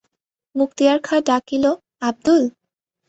মুক্তিয়ার খাঁ ডাকিল, আবদুল।